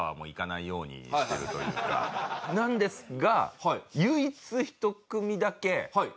なんですが。